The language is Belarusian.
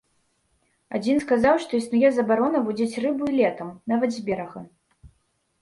Адзін сказаў, што існуе забарона вудзіць рыбу і летам, нават з берага.